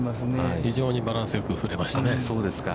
◆非常にバランスよく振れましたね。